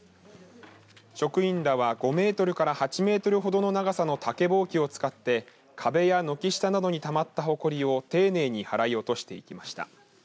職員らは５メートルから８メートルほどの長さの竹ぼうきを使って壁や軒下などにたまったほこりを丁寧に払い落としていきました。